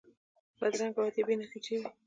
بدرنګه وعدې بې نتیجې وي